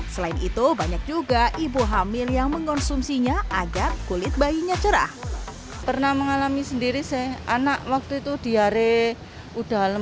selain itu banyak juga ibu hamil yang mengonsumsinya agar kulit bayinya cerah